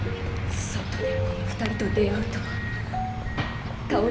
外でこの二人と出会うとは。